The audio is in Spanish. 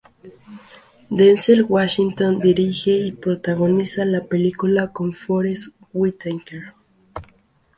Denzel Washington dirige y protagoniza la película, con Forest Whitaker.